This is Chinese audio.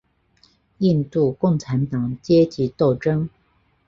印度共产党阶级斗争。